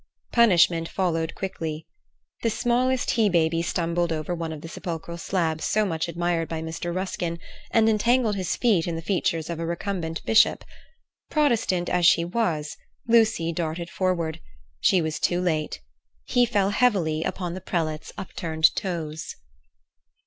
Punishment followed quickly. The smallest he baby stumbled over one of the sepulchral slabs so much admired by Mr. Ruskin, and entangled his feet in the features of a recumbent bishop. Protestant as she was, Lucy darted forward. She was too late. He fell heavily upon the prelate's upturned toes.